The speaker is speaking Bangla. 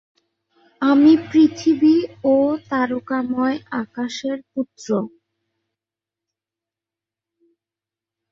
আমি পৃথিবী ও তারকাময় আকাশের পুত্র।